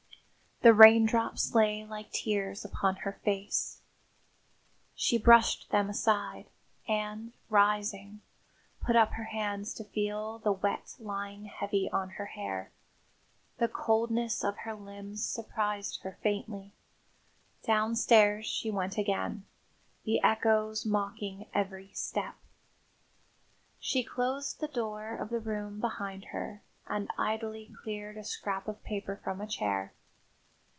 The raindrops lay like tears upon her face. She brushed them aside, and, rising, put up her hands to feel the wet lying heavy on her hair. The coldness of her limbs surprised her faintly. Downstairs she went again, the echoes mocking every step. She closed the door of the room behind her and idly cleared a scrap of paper from a chair.